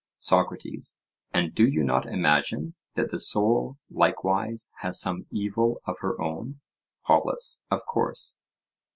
SOCRATES: And do you not imagine that the soul likewise has some evil of her own? POLUS: Of course.